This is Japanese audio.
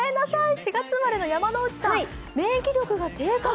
４月生まれの山内さん。